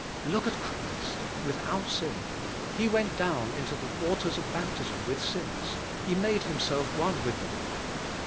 Look at Christ, without sin! He went down into the waters of baptism with sin ners; He made Himself one with them.